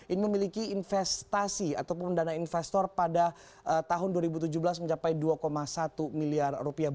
ini memiliki investasi ataupun dana investor pada tahun dua ribu tujuh belas mencapai dua satu miliar rupiah